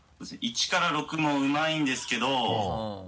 １から６もうまいんですけど。